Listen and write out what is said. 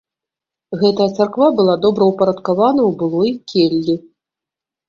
Гэтая царква была добраўпарадкавана ў былой келлі.